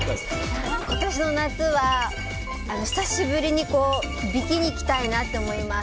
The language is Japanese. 今年の夏は、久しぶりにビキニ着たいなと思います。